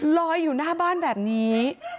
ลอยอยู่หน้าบ้านแบบนี้